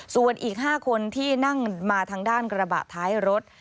ส่วนอีก๕คนที่นั่งมาทางด้านกระบะท้ายรถ